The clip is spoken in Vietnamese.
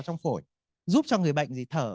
trong phổi giúp cho người bệnh thì thở